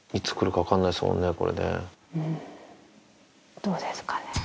どうですかね。